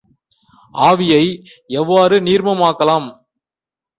ஆவியை எவ்வாறு நீர்மமாக்கலாம்?